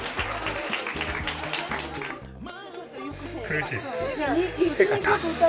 苦しい？